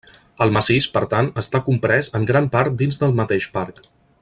El massís, per tant, està comprès en gran part dins del mateix parc.